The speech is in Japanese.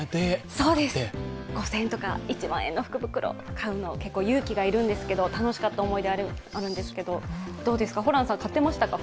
５０００円とか１万円の福袋を買うの、結構勇気がいるんですけど楽しかった思い出あるんですけどどうですか、ホランさん、買ってましたか。